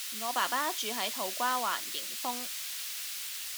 我爸爸住喺土瓜灣迎豐